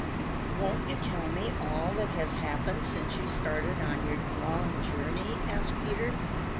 "Won't you tell me all that has happened since you started on your long journey?" asked Peter.